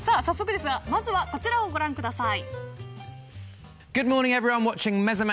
早速ですがこちらをご覧ください。